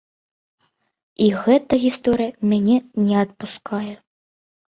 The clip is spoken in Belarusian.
І гэтая гісторыя мяне не адпускае.